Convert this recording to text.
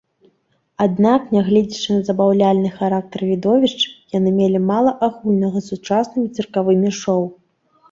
Аднак, нягледзячы на забаўляльны характар відовішч, яны мелі мала агульнага з сучаснымі цыркавымі шоў.